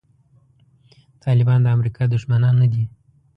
طالبان د امریکا دښمنان نه دي.